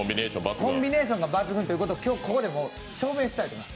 コンビネーションが抜群ということを今日ここで証明したいと思います。